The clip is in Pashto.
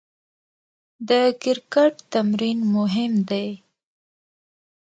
د کرکټ تمرین مهم دئ.